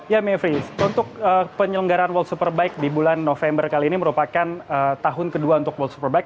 ya mevri untuk penyelenggaraan world superbike di bulan november kali ini merupakan tahun kedua untuk world superbike